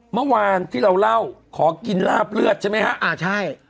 เมื่อวานที่เราเล่าขอกินลาบเลือดใช่ไหมฮะอ่าใช่